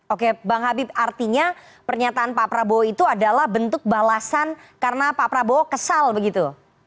oke bang habib artinya pernyataan pak prabowo itu adalah bentuk balasan karena pak prabowo kesal begitu